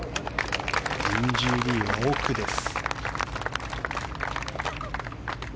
ミンジー・リーは奥です。